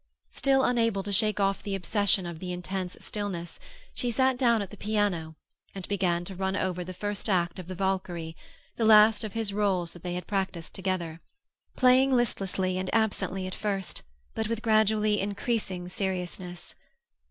Still unable to shake off the obsession of the intense stillness, she sat down at the piano and began to run over the first act of the Walkure, the last of his roles they had practiced together; playing listlessly and absently at first, but with gradually increasing seriousness.